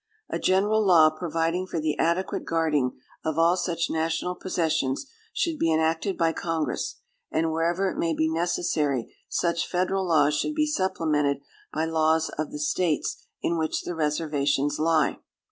A general law providing for the adequate guarding of all such national possessions should be enacted by Congress, and wherever it may be necessary such Federal laws should be supplemented by laws of the States in which the reservations lie.